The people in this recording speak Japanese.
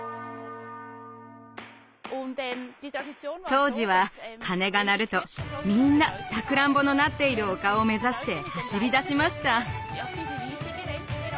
当時は鐘が鳴るとみんなさくらんぼのなっている丘を目指して走りだしました。